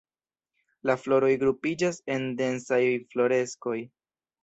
La floroj grupiĝas en densaj infloreskoj.